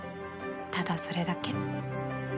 ただ、それだけ。